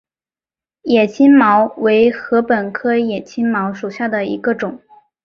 野青茅为禾本科野青茅属下的一个种。